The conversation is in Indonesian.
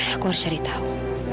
aku harus cari tahu